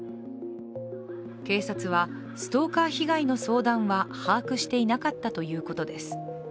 警察はストーカー被害の相談は把握していなかったということです。